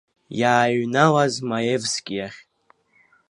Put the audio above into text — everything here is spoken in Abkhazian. Иааҩналаз Маевски иахь.